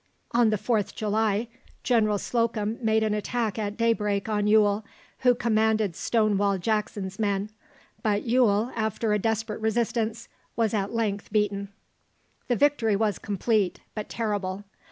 On the 4th July, General Slocum made an attack at daybreak on Ewell, who commanded Stonewall Jackson's men, but Ewell, after a desperate resistance, was at length beaten. The victory was complete, but terrible.